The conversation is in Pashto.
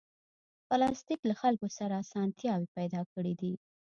پلاستيک له خلکو سره اسانتیاوې پیدا کړې دي.